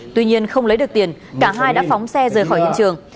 tuy nhiên không lấy được tiền cả hai đã phóng xe rời khỏi hiện trường